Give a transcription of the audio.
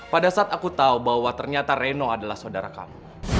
pada saat aku tahu bahwa ternyata reno adalah saudara kamu